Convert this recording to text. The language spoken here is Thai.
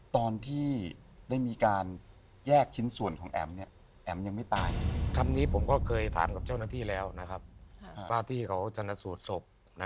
ก่อนแล้วไปก่อนแล้วแล้วถึงไม่มีการหั่นถึงไม่มีการหั่น